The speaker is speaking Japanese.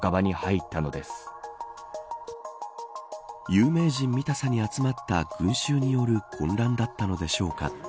有名人見たさに集まった群衆による混乱だったのでしょうか。